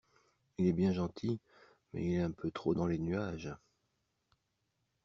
Il est bien gentil, mais il est un peu trop dans les nuages.